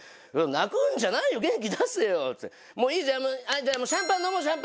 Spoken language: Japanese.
「泣くんじゃないよ元気出せよもういいじゃあ」。